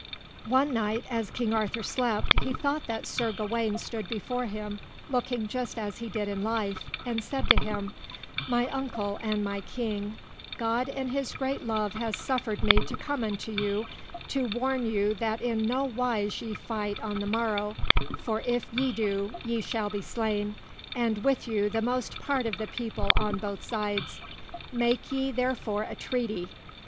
One night, as King Arthur slept, he thought that Sir Gawain stood before him, looking just as he did in life, and said to him: "My uncle and my King, God in his great love has suffered me to come unto you, to warn you that in no wise ye fight on the morrow; for if ye do, ye shall be slain, and with you the most part of the people on both sides. Make ye, therefore, a treaty."